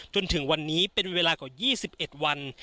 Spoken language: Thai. จนถึงวันนี้เป็นเวลากว่า๒๑วัน